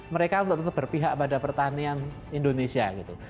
mereka tetap berpihak pada pertanian indonesia